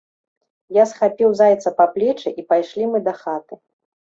Я схапіў зайца па плечы, і пайшлі мы да хаты.